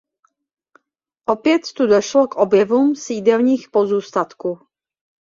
Opět tu došlo k objevům sídelních pozůstatků.